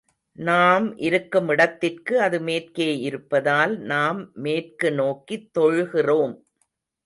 நாம் இருக்கும் இடத்திற்கு அது மேற்கே இருப்பதால், நாம் மேற்கு நோக்கித் தொழுகிறோம்.